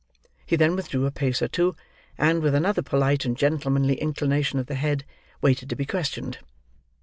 He then withdrew a pace or two; and, with another polite and gentlemanly inclination of the head, waited to be questioned.